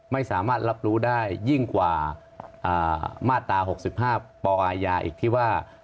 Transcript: ไม่สามารถรับรู้ได้ยิ่งกว่ามาตรา๖๕ปอายาอีกที่ว่า